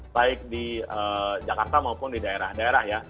baik di jakarta maupun di daerah daerah ya